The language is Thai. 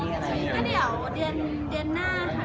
เดี๋ยวเดือนหน้า